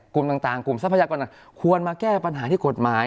กลุ่มต่างกลุ่มทรัพยากรต่างควรมาแก้ปัญหาที่กฎหมาย